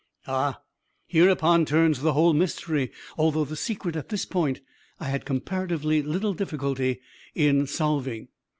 "Ah, hereupon turns the whole mystery; although the secret, at this point, I had comparatively little difficulty in solving.